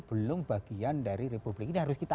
belum bagian dari republik ini harus kita